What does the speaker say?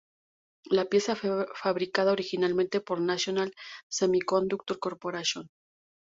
La pieza fue fabricada originalmente por National Semiconductor Corporation.